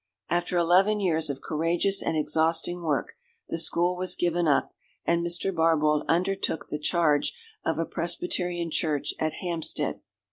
After eleven years of courageous and exhausting work, the school was given up, and Mr. Barbauld undertook the charge of a Presbyterian church at Hampstead.